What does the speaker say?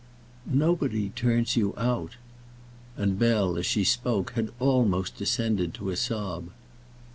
"Nobody turns you out." And Bell, as she spoke, had almost descended to a sob.